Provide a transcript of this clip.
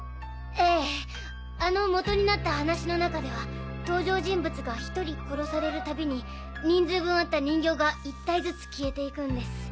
ええあの元になった話の中では登場人物が１人殺されるたびに人数分あった人形が１体ずつ消えていくんです。